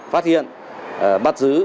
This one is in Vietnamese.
phát hiện bắt giữ